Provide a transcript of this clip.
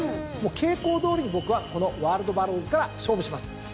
もう傾向どおりに僕はこのワールドバローズから勝負します。